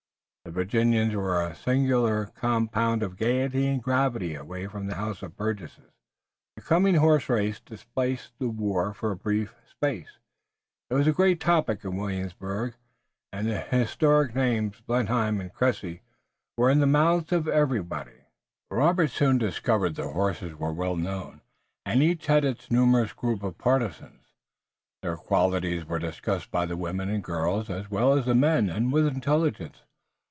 The Virginians were a singular compound of gayety and gravity. Away from the House of Burgesses the coming horse race displaced the war for a brief space. It was the great topic in Williamsburg and the historic names, Blenheim and Cressy, were in the mouths of everybody. Robert soon discovered that the horses were well known, and each had its numerous group of partisans. Their qualities were discussed by the women and girls as well as the men and with intelligence.